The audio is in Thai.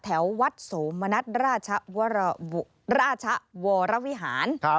แถววัดโสมณัฐราชวรวิหาร